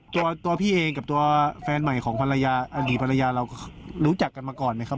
ตัวพี่เองกับตัวแฟนใหม่ของภรรยาอดีตภรรยาเรารู้จักกันมาก่อนไหมครับ